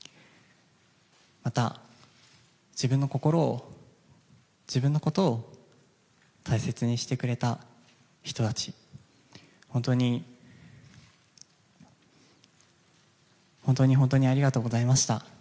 また自分の心を、自分のことを大切にしてくれた人たち本当に本当にありがとうございました。